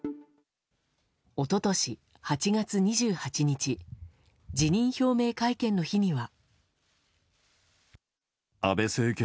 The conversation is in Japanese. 一昨年、８月２８日辞任表明会見の日には。